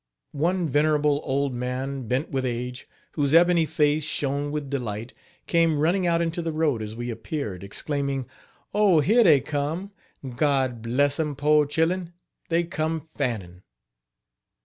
One venerable old man, bent with age, whose ebony face shone with delight, came running out into the road as we appeared, exclaiming: "Oh! here dey come, God bless 'em! Poor chil'en! they come fannin.